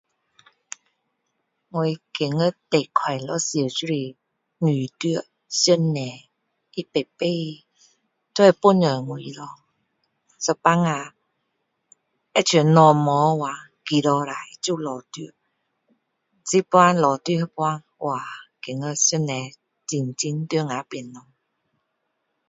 我觉得最快乐时就是遇到上帝他每次都会帮我我哦有时候好像东西不见掉啊祈祷一下就会找到现在找到那时哇觉得上帝真的在我们旁边